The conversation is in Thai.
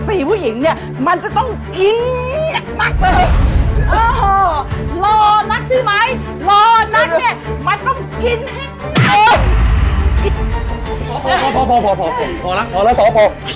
สี่ผู้หญิงเนี่ยมันจะต้องอี๊